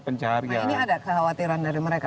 bencana nah ini ada kekhawatiran dari mereka